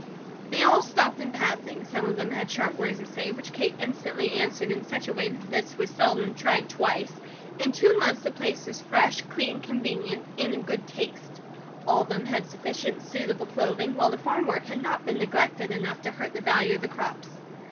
They all stopped in passing; some of them had sharp words to say, which Kate instantly answered in such a way that this was seldom tried twice. In two months the place was fresh, clean, convenient, and in good taste. All of them had sufficient suitable clothing, while the farm work had not been neglected enough to hurt the value of the crops.